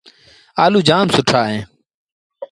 آلو جآم سُآ اهيݩ۔